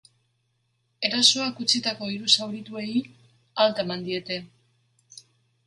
Erasoak utzitako hiru zaurituei alta eman diete.